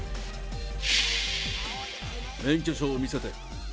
免許証を見せて。